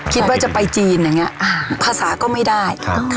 คิดว่าจะไปจีนอย่างนี้ภาษาก็ไม่ได้